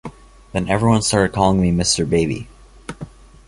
Then everyone started calling me Mr. Baby.